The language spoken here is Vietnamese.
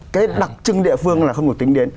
cái đặc trưng địa phương là không được tính đến